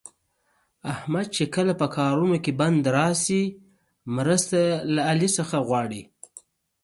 احمد چې کله په کارونو کې بند راشي، مرسته له علي څخه غواړي.